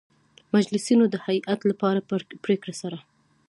مجلسینو د هیئت له پرېکړې سـره